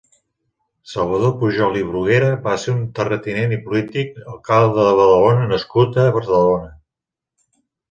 Salvador Pujol i Bruguera va ser un terratinent i polític, alcalde de Badalona nascut a Badalona.